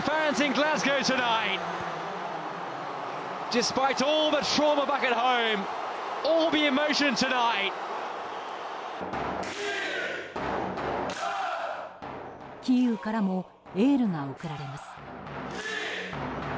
キーウからもエールが送られます。